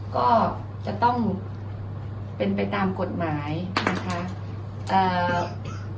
ก็จะต้องเป็นไปตามกฎหมายนะคะ